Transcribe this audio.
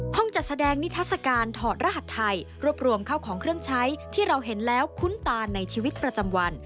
จัดแสดงนิทัศกาลถอดรหัสไทยรวบรวมเข้าของเครื่องใช้ที่เราเห็นแล้วคุ้นตาในชีวิตประจำวัน